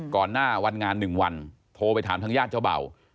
ก่อนหน้าวันงาน๑วันโทรไปถามทางญาติเจ้าเบ่า